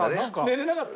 寝れなかった？